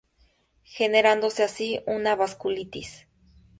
Generándose así una vasculitis.